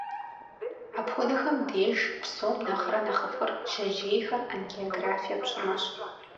Апхуэдэхэм деж псом нэхърэ нэхъыфӏыр жьэжьейхэр ангиографие пщӏымэщ.